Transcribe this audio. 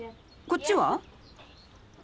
こっちは？